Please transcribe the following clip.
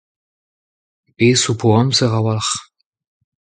Bez' ho po amzer a-walc'h.